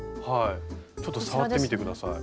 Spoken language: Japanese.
ちょっと触ってみて下さい。